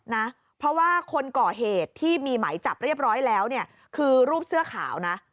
นะเพราะว่าคนก่อเหตุที่มีหมายจับเรียบร้อยแล้วเนี่ยคือรูปเสื้อขาวนะ